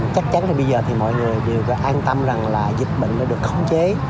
chắc chắn là bây giờ thì mọi người đều an tâm rằng là dịch bệnh đã được khống chế